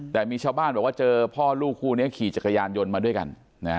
แต่มีชาวบ้านบอกว่าเจอพ่อลูกคู่นี้ขี่จักรยานยนต์มาด้วยกัน